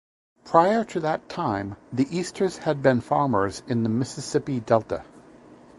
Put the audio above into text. Prior to that time, the Easters had been farmers in the Mississippi Delta.